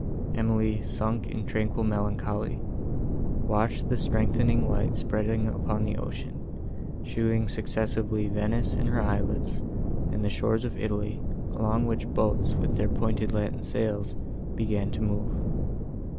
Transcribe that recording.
Emily, sunk in tranquil melancholy, watched the strengthening light spreading upon the ocean, showing successively Venice and her islets, and the shores of Italy, along which boats, with their pointed latin sails, began to move.